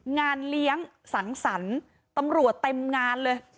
งานเลี้ยงสังสรรค์ตำรวจเต็มงานเลย